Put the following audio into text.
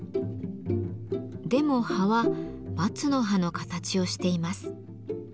でも葉は「松の葉」の形をしています。